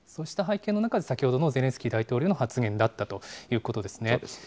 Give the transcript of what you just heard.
そうした背景の中で、先ほどのゼレンスキー大統領の発言だったということですね。